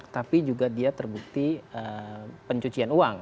tapi juga dia terbukti pencucian uang